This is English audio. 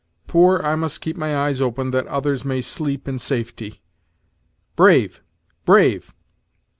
Poor I must keep my eyes open, that others may sleep in safety. Brave! Brave!